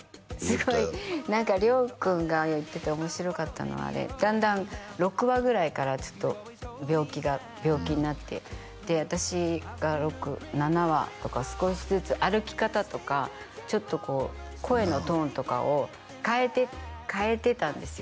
すごい何か亮君が言ってて面白かったのはあれだんだん６話ぐらいからちょっと病気が病気になってで私が７話とか少しずつ歩き方とかちょっとこう声のトーンとかを変えてたんですよ